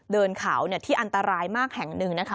เดินเขาที่อันตรายมากแห่งหนึ่งนะคะ